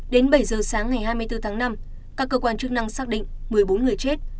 đến bảy giờ sáng ngày hai mươi bốn tháng năm các cơ quan chức năng xác định một mươi bốn người chết